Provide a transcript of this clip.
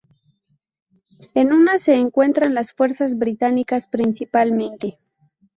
En una se encuentran las fuerzas británicas principalmente.